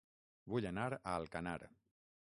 Vull anar a Alcanar